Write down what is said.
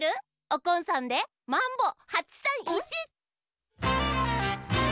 おこんさんで「マンボ８３１」！